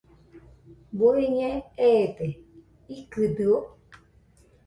¿Bueñe eede?, ¿ikɨdɨo?